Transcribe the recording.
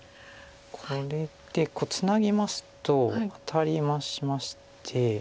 これでツナぎますとアタリまして。